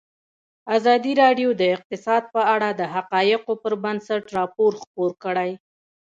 ازادي راډیو د اقتصاد په اړه د حقایقو پر بنسټ راپور خپور کړی.